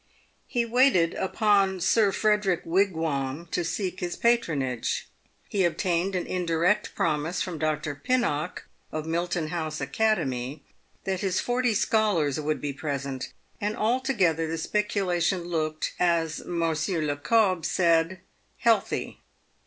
He waited upon Sir Frederick Wigwam to seek his patronage. He obtained an indirect promise from Dr. Pinnock, of Milton House Academy, that his forty scholars would be present, and altogether the speculation looked, as Monsieur Le Cobbe said, "healthy."